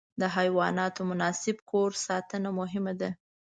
د حیواناتو مناسب کور ساتنه مهمه ده.